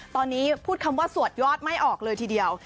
ตอนนี้พูดคำว่าสวดยอดไม่ออกเลยทีเดียว